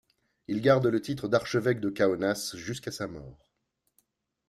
Il garde le titre d'archevêque de Kaunas jusqu'à sa mort.